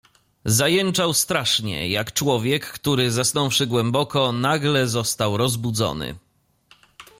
"Zajęczał strasznie, jak człowiek, który, zasnąwszy głęboko, nagle został rozbudzony."